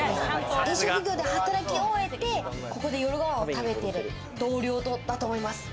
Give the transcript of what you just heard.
飲食業で働き終えて、ここで夜ご飯を食べてる同僚だと思います。